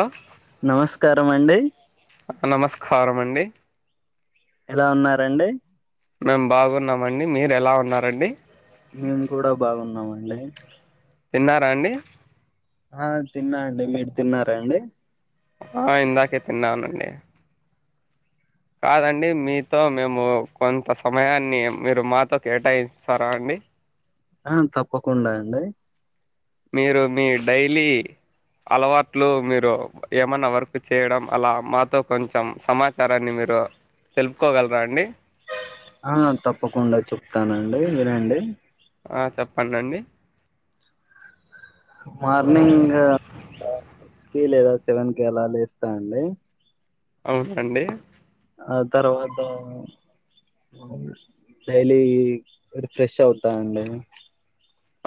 Hello నమస్కారం అండి కారమండి ఎలా ఉన్నారండి మేం బాగున్నామండి మీరు ఎలా ఉన్నారండి మేము కూడా బాగున్నామ అండి తిన్నారా అండి ఆ తిన్నా అండి మీరు తిన్నారా అండి ఆ ఇందాకే తిన్నానండీ కాదండి మీతో మేము కొంత సమయాన్ని మీరు మాతో కేటాయిస్తారా అండి ఆ తప్పకుండా అండి మీరు మీ డైలీ అలవాట్లు మీరు ఏమన్నా వర్క్ చేయడం అలా మాతో కొంచెం సమాచారాన్ని మీరు తెలుపుకోగలరా అండి ఆ తప్పకుండా చెప్తానండి వినండి ఆ చప్పండండి మార్నింగ్ ఆ సిక్సీ లేదా సెవెన్ కి అలా లేస్తా అండి అవునండి ఆ తర్వాత డైలీ రి ఫ్రెష్ అవుతానండి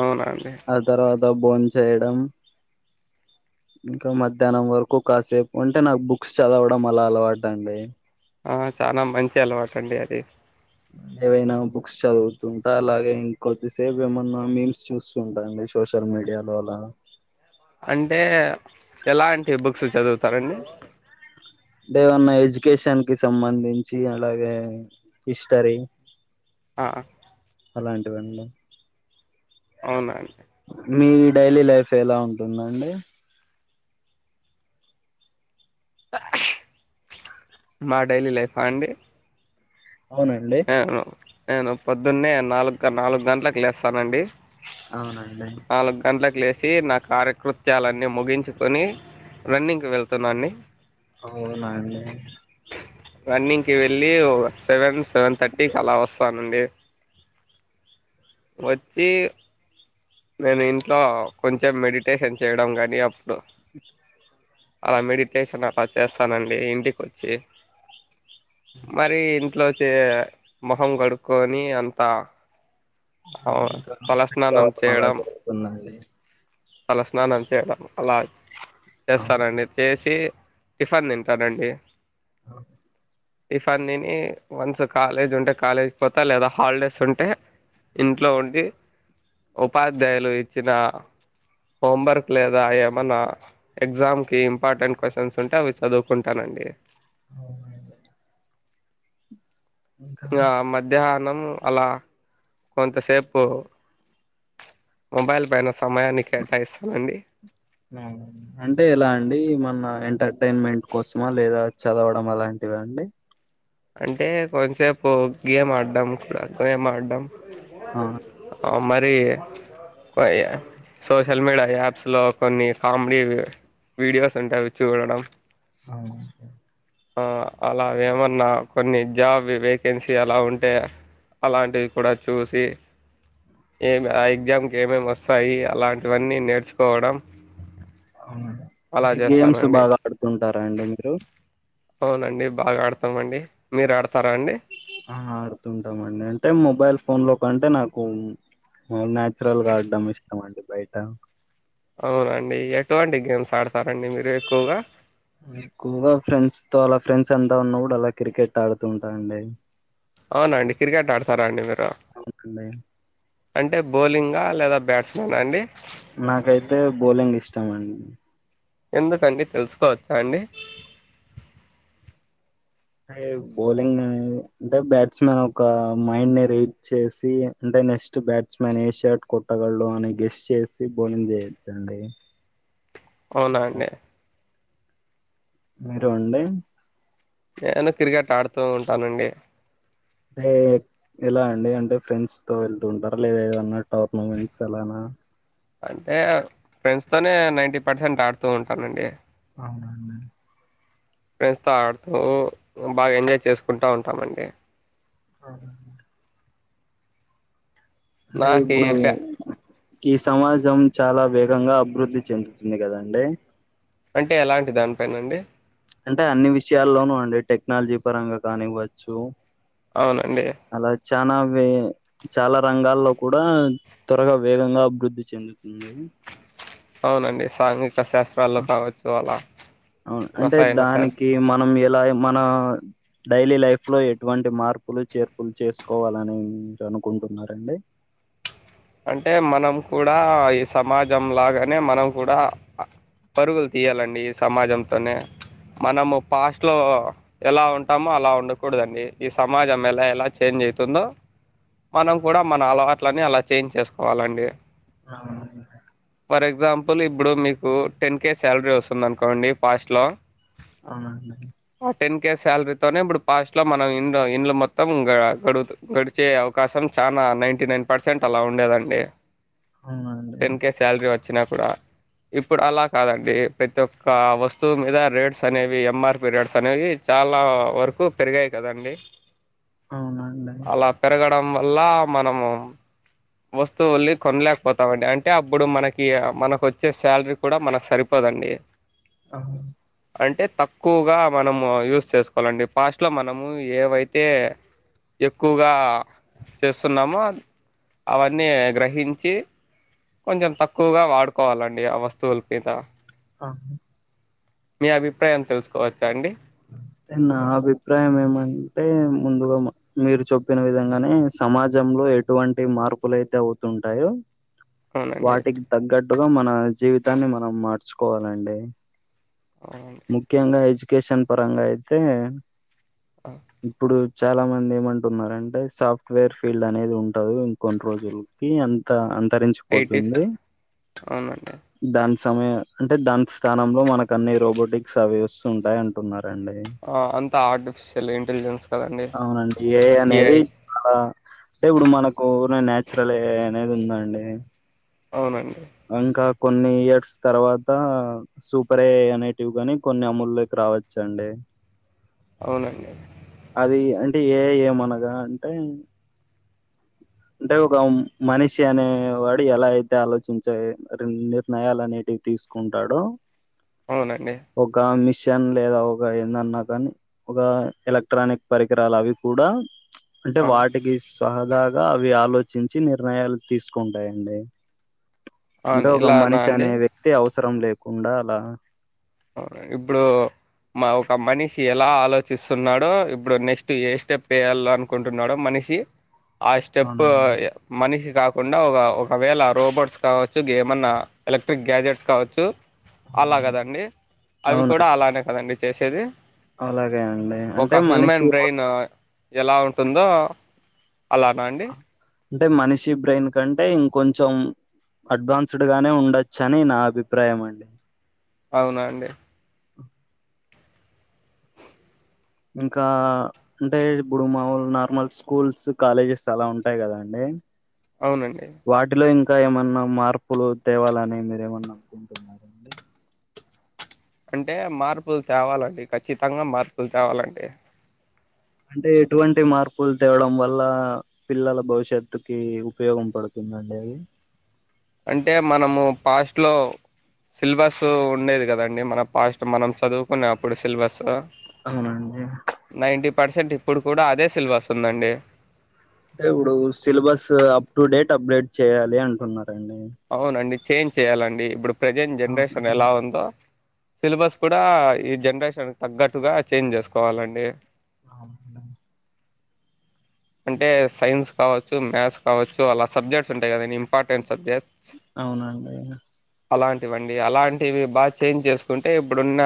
అవునండి ఆ తర్వాత భోం చేయడం ఇంకా మధ్యానం వరకు కాసేపు అంటే నాకు బుక్స్ చదవడం అలా అలవాటండి ఆ చానా మంచి అలవాటు అండి అది ఏవైనా బుక్స్ చదువుతుంటా అలాగే ఇంకోద్దిసేపు ఏమన్నా మీమ్స్ చూస్తుంటాండి సోషల్ మీడియా లో అలా అంటే ఎలాంటి బుక్స్ చదువుతారండి దేమన్న ఎడ్యుకేషన్ కి సంబంధించి అలాగే హిస్టరీ ఆ ఎవండ అవున మీ డైలీ లైఫ్ ఎలా ఉంటుందండి మా డైలీ లైఫా అండి అవునండి నేను నేను పొద్దున్నే నాలుగు-నాలుగు గంటలకు లేస్తానండి అవునండి నాలుగు గంటలకు లేసి నా కార్యకృత్యాలన్నీ ముగించుకొని రన్నింగ్ వెల్ స్తునాన్ని అవునండి రన్నింగ్ కి వెళ్ళి ఓ సెవెన్ సెవెన్థర్టీకి అలావా పనండి వచ్చి నేను ఇంట్లో కొంచెం మెడిటేషన్ చేయడం కానీ అప్పుడు అలా మెడిటేషన్ అలా చేస్తానండి ఇంటికి వచ్చి మరి ఇట్లో వచ్చే మొహం కడుక్కకొని అంత అవు ఇంకా తల స్నానం అవడం అలా చేయటం జరుగుతుందండి తల స్నానం చేయటం అలా అవును చేస్తానండి చేసి ఇ టిఫన్ తింటానండి టిఫిన్ తిని వన్స్ కాలేజ్ ఉంటే కాలేజ్ పోత లేదా హాలిడేస్ ఉంటే ఇంట్లో ఉండి ఉపాధ్యాయులు ఇచ్చిన హోంవర్క్ లేదా ఏమాన్నా ఎగ్జామ్కి ఇంపార్టెంట్ క్వశ్చన్స్ ఉంటే అవి చదువుకుంటానండి అవునండి ఇంకా ఆ మధ్యాహ అలా కొంతసేపు మొబైల్ సమయాన్ని కేటాయిస్తానండి అంటే ఎలా అండి ఏమన్నా అసైన్మెంట్ కోసమా లేదా చదవడం అలాంటివా అండి అంటే కొంచెపు గేమ్ ఆడ్డం గేమ్ ఆడ్డం ఆ మరి సోషల్ మీడియా యాప్స్ కొన్ని కామెడీ వీడియోస్ ఉంటావి చూడడం అ ఆ అలావేమన్నా కొన్ని జాబ్ వేకెన్సీ అలా ఉంటే అలాంటివి కూడా చూసి ఏ ఆ ఎగ్జామ్కి ఏమేమి వస్తాయి అలాంటివన్నీ నేర్చుకోవడం అవున అలా అంటే గేమ్స్ చేస్తానండి బాగా ఆడుతుంటారా అండి మీరు అవునండి బాగా ఆడతామండి మీరు ఆడత ఆ ఆడుతుంటామండి అంటే మొబైల్ ఫోన్ లో కంటే నాకు నాచురల్ గా ఆడ్డం ఇష్టం అండి బయట అవునండి ఎటువంటి గేమ్స్ ఆడ ఎక్కువగ ఫ్రెండ్స్ తో అలా ఫ్రెం డ్స్ అంతా ఉన్నవుడు అలా క్రికెట్ ఆడుతూ ఉంటా అండి అవునండి క్రికెట్ ఆడతారా అండి మీరు అవునండి అంటే బౌలింగా లేదా బ్యాట్స్మెన్ అండి నాకైతే బౌలింగ్ ఇష్టం అం ఎందుకండి తెలుసుకోవచ్చా అండి అ బౌలింగ్ అంటే బ్యాట్స్ మెన్ ఒక మైండ్ ని రీడ్ చేసి అంటే నెక్స్ట్ బ్యాట్స్ మెన్ ఏ షార్ట్ కొట్టగలడు అని గెస్ చేసి బౌలింగ్ చేయచ్చండి అవునా అండి మీరు అండీ నేను క్రికెట్ ఆడుతూ ఉంటానండి అంటే ఎలా అండి అంటే ఫ్రెండ్స్ తో వెళ్తు ఉంటారా లేదా ఏదన్నా టోర్నమెంట్స్ అలానా అంటే ఫ్రెండ్స్ తోనే నైన్టీ పర్సెంట్ ఆడుతూ ఉంటానండి అవున అండీ ఫ్రెండ్స్ తో ఆడుతూ బాగా ఎంజాయ్ చేసుకుంటూ ఉంటామండి ఆ అంటే నాకి ఇప్పుడు బ్యా ఈ సమాజం చాలా వే ఈ విధంగా అభివృద్ధి చెందుతుంది కదండి అంటే ఎలాంటి దానిపైన అండి అంటే అన్ని విషయాల్లోనూ అండి టెక్నాలజీ పరంగా కానివ్వచ్చు అవునండి అలా చానా వే చాలా రంగాల్లో కూడా త్వరగా వేగంగా అభివృద్ధి చెందుతుంది అవునండి సాంఘి అ అవును అంటే రసాయన శాస్త్ర దానికి మనం ఎలా మన డైలీ లైఫ్ లో ఎటువంటి మార్పులు చేర్పులు చేసుకోవాలని మీరు అనుకుంటున్నారండి అంటే మనం కూడా ఈ సమాజం లాగానే మనం కూడా పరుగులు తీయాలండి ఈ సమాజంతోనే మనము ఫాస్టులో ఎలా ఉంటామో అలా ఉండకూడదండి ఈ సమాజం ఎలా ఎలా చేంజ్ అయితుందో మనం కూడా మన అలవాట్లని అలా చేంజ్ చేసుకోవాలండి అ పులు ఇప్పుడు మీకు టెన్ కే శాలరీ వస్తుంది అనుకోండి ఫాస్ట్ లో అవునండి ఆ టెన్ కే శాలరీతోనే ఇప్పుడు పాస్ట్లో మనం ఇంట్లో ఇండ్లు మొత్తం గడు గడిచే అవకాశం చాలా నైంటీ నైన్ పర్స్ సెంట్ అలా ఉండేదండి అవునా టెన్ అండీ కే శాలరీ వచ్చినా కూడా ఇప్పుడు అలా కాదండి ప్రతి ఒక్క వస్తువు మీద రేట్స్ అనేవి ఎమర్పి రేట్స్ అనేవి చాలా వరకు పెరిగాయి కదండి అవునండి డం వల్లా మనము వస్తువుల్ని కొనలేకపోతామండి అంటే అబ్బుడు మనకి మనకు వచ్చే శాలరీ కూడా మనకు సరిపోదండి అహ అంటే తక్కువగా మనము యూస్ చేసుకోవాలండి ఫాస్ట్లో మనము ఏవైతే ఎక్కువగా చేస్తున్నామో అవన్నీ గ్రహించి కొంచెం తక్కువగా వాడుకోవాలండి ఆ వస్తువుల మీద ఆహా మీ అభిప్రాయం తెలుసుకోవచ్చా అండి నా అభిప్రాయం ఏమ్ అంటే ముందుగా మీరు చెప్పిన విధంగానే సమాజంలో ఎటువంటి మార్పులు అయితే అవుతుంటాయో అవునండి వాటికి తగ్గట్టుగా మన జీవితాన్ని మనం మార్చుకు కోవాలండి అవునండి ముఖ్యంగా హెజ కేషన్ పరంగా అయితే ఇప్పుడు చాలా మంది ఏమంటున్నారుంటే సాఫ్ట్వేర్ ఫీల్డ్ అనేది ఉంటదు ఇంకొన్ని రోజులకి అంత అ ఐటీ తరించిపోతుంది అవునండి దాని సమయం అంటే దాని స్థానంలో మనకు అన్ని రోబోటిక్స్ అవి వస్తుూ ఉంటాయి అంటే న్నా [unintelligible] ఆ, అంతా ఆర్టిఫిషియల్ ఇంటెలిజెన్స్ కదండి అవునండి ఏ అనేది ఏఐ చాలా అంటే ఇప్పుడు మనకు నాచురల్ అనేదిందా అండి అవునండి అంకా కొన్ని ఇయర్స్ తర్వాత సూపరే అనేటివ్ గాని కొన్ని అమల్లోకి రావచ్చండి అవునండి అది అంటే ఏ ఏమనగా అంటే అంటే ఒక మనిషి అనే వాడు ఎలా అయితే ఆలోచించ నిర్ణయాలు అనేటివి తీసుకుంటాడు అవునండి ఒక మెసి కిషన్ లేదా ఒక ఏందన్నా కానీ ఒక ఎలక్ట్రానిక్ పరికరాలు అవి కూడా అంటే ఆ. వాటికి సహదా ఆలోచించి నిర్ణయాలు తీసుకుంటాయండి అవును ంటో ఒక ఇలానా మనిషి అండి అనే వ్యక్తి అవసరం లేదు కుండాల ఇప్పుడు మా ఒక మనిషి ఎలా ఆలోచిస్తున్నాడో ఇప్పుడు నెక్స్ట్ ఏ స్టెప్ వేయాలో అనుకుంటున్నాడో మనిషి ఆ స్టెప్ అవునండి మనికిికికు కాకుండా ఒక ఒకవేళ రోబోట్స్ కావచ్చు ఏమన్నా ఎలక్ట్రిక్ గ్యాజెట్స్ కావచ్చు అవునండి అలాగదండి అవి అవునా కూడా అలానే కదండి మీ చేసేది అలాగే అండి అంటే ఒక మనిషి హ్యూమన్ బ్రెయిన్ లోపల ఎలా ఉంటుందో అలానా అండి. అంటే మనిషి బ్రెయిన్ కంటే ఇంకొంచెం అడ్వాన్స్డ్ గానే ఉండచ్చ అని నా అభిప్రాయం అండి. అవునా అండి. ఇంకా అంటే ఇప్పుడు మాములు నార్మల్ స్కూల్స్ కాలేజెస్ అలా ఉంటాయి కదండి. అవునండి. ఇంకా ఏమన్నా మార్పులు తేవాలని మీరు ఏమన్నా అనుకుంటున్నారాండి. అంటే మార్పులు తేవాలండి ఖచ్చితంగా మార్పులు తేవాలండి. అంటే ఎటువంటి మార్పులు తేవడం వల్ల పిల్లల భవిష్యత్తుకి ఉపయోగం పడుతుందండి అది అంటే మనము పాస్ట్లో సిలబస్ ఉండేది కదండి మన పాస్ట్ మనం చదువుకునే అప్పుడు సిలబస్సు అవునండి. పర్సెంట్ ఇప్పుడు కూడా అదే సిలబస్ ఉందండి. అంటే ఇప్పుడు syllabus up to date update చేయ్యాలి అంటున్నారు. అవును అండి. చేంజ్ చేయాలండి ఇప్పుడు ప్రెజెంట్ జనరేషన్ అవునండి ఎలా ఉందో సిలబస్ కూడా ఈ జనరేషన్ తగ్గట్టుగా చేంజ్ చేసుకోవాలండి. అవును. అంటే సైన్స్ కావచ్చు మ్యాథ్స్ కావచ్చు అలా సబ్జెక్ట్స్ ఉంటాయి కదండి ఇంపార్టెంట్ సబ్జెక్ట్స్ అవునండి. అలాంటివండి అలాంటివి బాగా చేంజ్ చేసుకుంటే ఇప్పుడున్న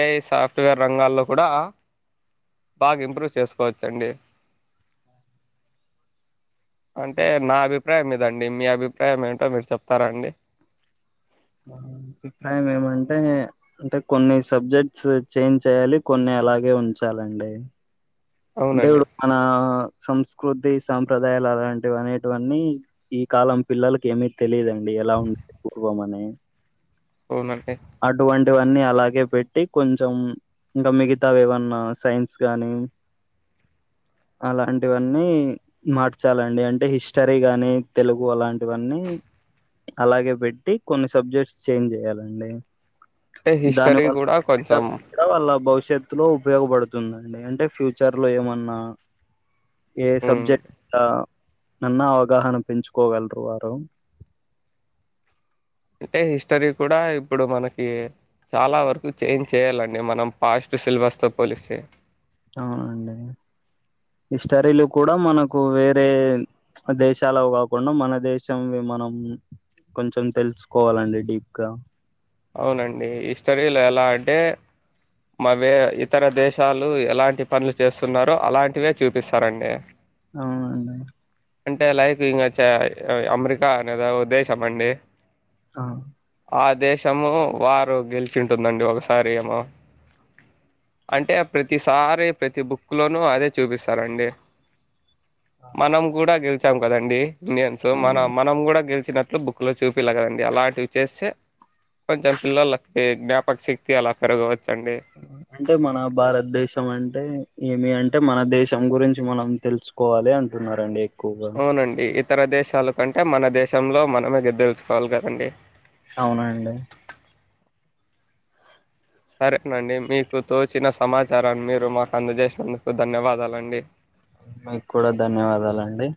ఏఐ సాఫ్ట్వేర్ రంగాల్లో కూడా బాగా ఇంప్రూవ్ చేసుకోవచ్చండి. అంటే నా అభిప్రాయం ఇదండి మీ అభిప్రాయం ఏంటో మీరు చెప్తారా అండి. నా అభిప్రాయం ఏమంటే అంటే కొన్ని సబ్జెక్ట్స్ చేంజ్ చేయ్యాలి కొన్ని అలాగే ఉంచాలండి. అంటే అవునండి ఇప్పుడు మన సంస్ స్కృతి సాంప్రదాయాలు అలాంటివి అనేటివన్నీ ఈ కాలం పిల్లలకి ఏమీ తెలియదండి ఎలా ఉండేది పూర్వం అని అవునండి. ఇవన్నీ అలాగే పెట్టి కొంచెం ఇంకా మిగతావి ఏవన్నా సైన్స్ గానీ అలాంటివన్నీ మార్చాలండి అంటే హిస్టరీ గాని తెలుగు అలాంటివన్నీ అలాగే పెట్టి కొన్ని సబ్జెక్ట్స్ చేంజ్ చేయాలండి. అంటే దాని హిస్టరీ కూడా కొంచెం త్లో ఉపయోగపడుతుందండి అంటే ఫ్యూచర్ లో ఏమన్నా ఏ హ్మ్. సబ్జెక్ట్ల నన్న అవగాహన పెంచుకోగలరు వారు అంటే హిస్టరీ కూడా ఇప్పుడు మనకి చాలా వరకు చేంజ్ చేయాలండి మనం పాస్ట్ సిలబస్తో పోలిస్తే అవునండి హిస్టరీలు కూడా మనకు వేరే దేశాలవి కాకుండా మన దేశంవి మనం కొంచెం తెలుసుకోవాలండి డీప్గా అవునండి హిస్టరీలో ఎలా అంటే మా వే ఇతర దేశాలు ఎలాంటి పనులు చేస్తున్నారో అలాంటివే చూపిస్తారండి. అవునండి. అంటే లైక్ ఇంగచ అమెరికా అనేది ఓ దేశమండి. ఆ ఆ దేశము వారు గెలిచింటుందండి ఒకసారి ఏమో అంటే ప్రతిసారి ప్రతి బుక్లోనూ అదే చూపిస్తారండి మనం కూడా గె చాం కదండి ఇండియన్సు మన అవును మనం గూడా గెలి చ్చినట్లు బుక్లో చూపీలే కదండి అలాంటివి చేస్తే కొంచెం పిల్లోళ్ళకి జ్ఞాపక శక్తి అలా పెరగవ అంటే మన భారతదేశం అంటే ఏమి అంటే మన దేశం గురించి మనం తెలుసుకోవాలి అంటున్నరండి అవునండి తర దేశాలకు అంటే మన దేశంలో మనమే [unintelligible] కోవాలి కదండీ అవునా అండి సరేనండి మీకు తోచిన సమాచారాన్ని మీరు మాకు అందజేసినందుకు ధన్యవాదాలండి మీకు కూడా ధన్యవాదాలండి